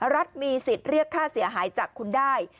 รัฐมีสิทธิ์เรียกค่าเสียหายจากคุณได้